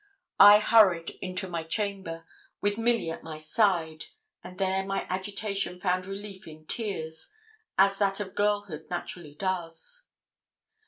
I hurried into my chamber, with Milly at my side, and there my agitation found relief in tears, as that of girlhood naturally does.